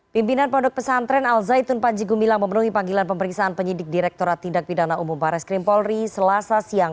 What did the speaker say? pimpinan produk pesantren al zaitun panji gumilang memenuhi panggilan pemeriksaan penyidik direkturat tindak pidana umum barat skrimpolri selasa siang